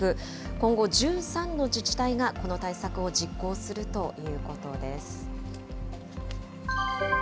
今後１３の自治体がこの対策を実行するということです。